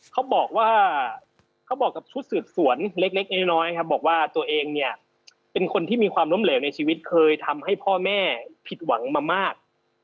เขาบอกว่าเขาบอกกับชุดสืบสวนเล็กน้อยครับบอกว่าตัวเองเนี่ยเป็นคนที่มีความล้มเหลวในชีวิตเคยทำให้พ่อแม่ผิดหวังมามาก